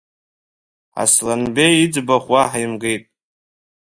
Асланбеи иӡбахә уаҳа имгеит.